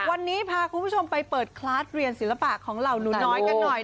วันนี้พาคุณผู้ชมไปเปิดคลาสเรียนศิลปะของเหล่าหนูน้อยกันหน่อย